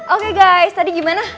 oke guys tadi gimana